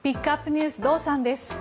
ＮＥＷＳ堂さんです。